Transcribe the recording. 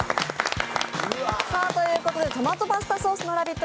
トマトパスタソースのラヴィット！